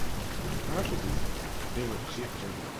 Prior to this, there were Chief Judges.